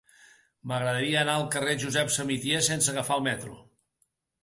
M'agradaria anar al carrer de Josep Samitier sense agafar el metro.